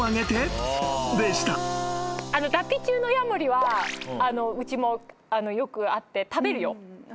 脱皮中のヤモリはうちもよくあって食べるよ。